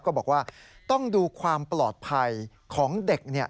ก็บอกว่าต้องดูความปลอดภัยของเด็ก